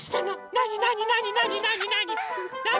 なになになになになになに？